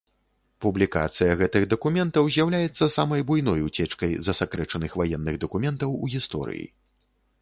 Публікацыя гэтых дакументаў з'яўляецца самай буйной уцечкай засакрэчаных ваенных дакументаў у гісторыі.